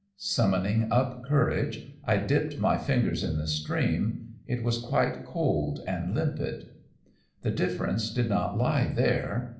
Summoning up courage, I dipped my fingers in the stream; it was quite cold and limpid. The difference did not lie there.